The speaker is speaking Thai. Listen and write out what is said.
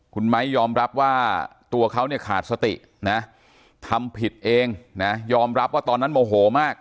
คุณไม้ยอมรับว่าตัวเขาเนี่ยขาดสตินะทำผิดเองนะยอมรับว่าตอนนั้นโมโหมาก